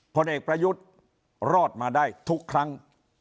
ผลเอกประยุทธ์รอดมาได้ทุกครั้ง